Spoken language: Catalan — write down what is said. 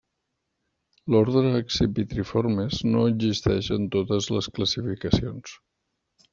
L'ordre Accipitriformes no existeix en totes les classificacions.